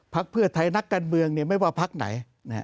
ภาคเพื่อไทยนักการเมืองเนี่ยไม่ว่าภาคไหน